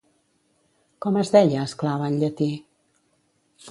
Com es deia esclava en llatí?